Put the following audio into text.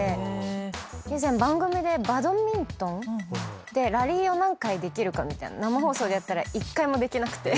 以前番組でバドミントン？でラリーを何回できるかみたいな生放送でやったら１回もできなくて。